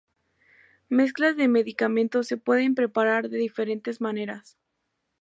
Mezclas de medicamentos se pueden preparar de diferentes maneras.